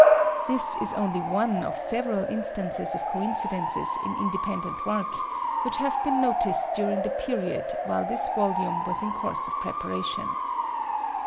This is only one of several instances of coincidences in independent work which have been noticed during the period while this volume was in course of preparation.